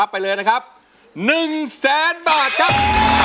ไปเลยนะครับ๑แสนบาทครับ